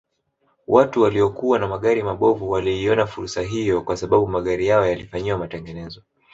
Watu waliokuwa na magari mabovu waliiona fursa hiyo kwa sababu magari yao yalifanyiwa matengenezo